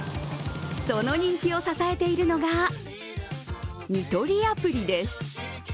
その人気を支えているのが、ニトリアプリです。